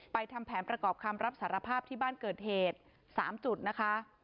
ทำแผนประกอบคำรับสารภาพที่บ้านเกิดเหตุ๓จุดนะคะ